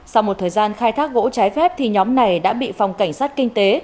sau một thời gian khai thác gỗ trái phép thì nhóm này đã bị phòng cảnh sát kinh tế